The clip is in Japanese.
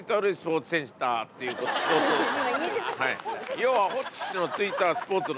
要は。